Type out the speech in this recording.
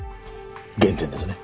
原点ですね。